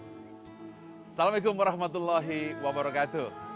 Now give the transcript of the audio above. assalamualaikum warahmatullahi wabarakatuh